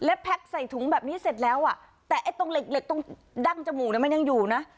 แล้วแพ็กใส่ถุงแบบนี้เสร็จแล้วอ่ะแต่ไอ้ตรงเหล็กเหล็กตรงดั้งจมูกเนี่ยมันยังอยู่นะ